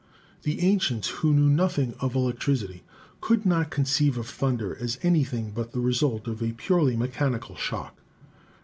The ancients, who knew nothing of electricity, could not conceive of thunder as anything but the result of a purely mechanical shock.